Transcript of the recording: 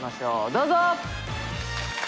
どうぞ！